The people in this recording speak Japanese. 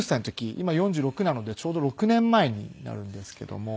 今４６なのでちょうど６年前になるんですけども。